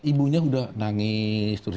ibunya sudah nangis